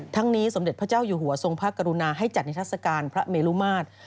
ทั้งนี้สมเด็จพระเจ้าอยู่หัวทรงพระกรุณาให้จัดนิทัศกาลพระเมลุมาตร